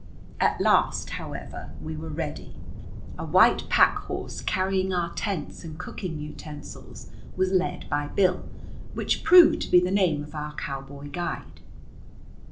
At last, however, we were ready. A white pack horse, carrying our tents and cooking utensils, was led by Bill, which proved to be the name of our cowboy guide.